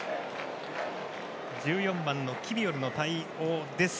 １４番、キビオルの対応です。